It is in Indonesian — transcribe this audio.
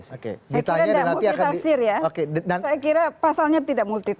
saya kira pasalnya tidak multitafsir